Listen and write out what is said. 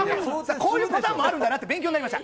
こういうこともあるんだなと、勉強になりました。